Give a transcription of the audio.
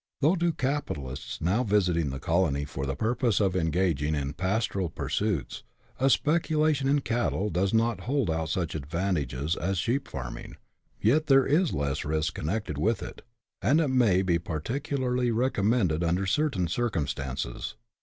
Though to capitalists now visiting the colony for the purpose of engaging in pastoral pursuits, a speculation in cattle does not hold out such advantages as sheep farming, yet there is less risk connected with it, and it may be particularly recommended under certain circumstances.